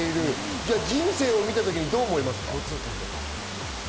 じゃあ人生を見たときにどう思いますか？